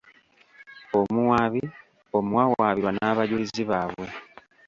Omuwaabi, omuwawaabirwa n'abajulizi baabwe.